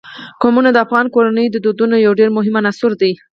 قومونه د افغان کورنیو د دودونو یو ډېر مهم عنصر دی.